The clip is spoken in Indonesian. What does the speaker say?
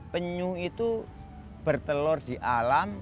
penyu itu bertelur di alam